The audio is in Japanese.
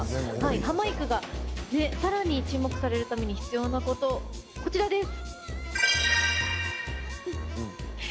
ハマいくがさらに注目されるために必要なことです。